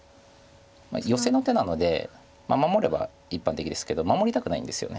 ヨセの手なので守れば一般的ですけど守りたくないんですよね。